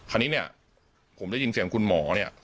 คราวนี้เนี่ยผมได้ยินเสียงคุณหมอเนี่ย